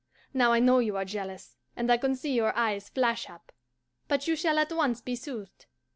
Now I know you are jealous, and I can see your eyes flash up. But you shall at once be soothed.